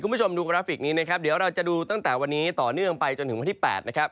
คุณผู้ชมดูกราฟิกนี้นะครับเดี๋ยวเราจะดูตั้งแต่วันนี้ต่อเนื่องไปจนถึงวันที่๘นะครับ